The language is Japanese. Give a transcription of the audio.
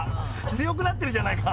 強くなってるじゃないか。